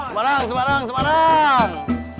semarang semarang semarang